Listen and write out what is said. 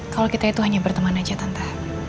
kalau kita itu hanya berteman aja tanpa